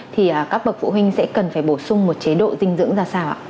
thì các bậc phụ huynh sẽ cần phải bổ sung một chế độ dinh dưỡng ra sao ạ